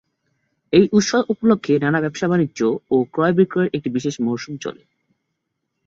এই উৎসব উপলক্ষে ব্যবসা-বাণিজ্য ও ক্রয়-বিক্রয়ের একটি বিশেষ মরসুম চলে।